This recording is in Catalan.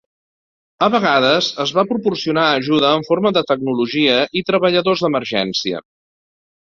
A vegades es va proporcionar ajuda en forma de tecnologia i treballadors d'emergència.